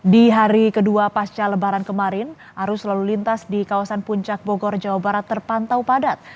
di hari kedua pasca lebaran kemarin arus lalu lintas di kawasan puncak bogor jawa barat terpantau padat